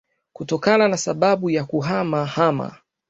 kutokana na sababu ya kuhama hama